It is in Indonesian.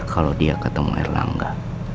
kalo dia ketemu erlangga